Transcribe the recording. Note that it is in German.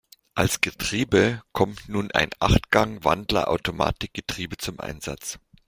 Als Getriebe kommt nun ein Achtgang-Wandlerautomatikgetriebe zum Einsatz.